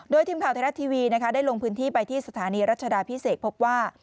โดยทีมข่าวไทยรัฐทีวีได้ลงพื้นที่ไปที่สถานีรัชดาพิเศษพบว่า